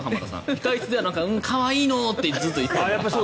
控室では可愛いの！ってずっと言ってた。